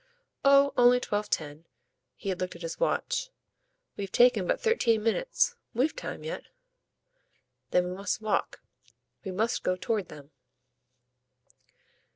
"Oh only twelve ten" he had looked at his watch. "We've taken but thirteen minutes; we've time yet." "Then we must walk. We must go toward them."